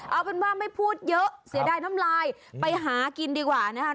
เอาเป็นว่าไม่พูดเยอะเสียดายน้ำลายไปหากินดีกว่านะครับ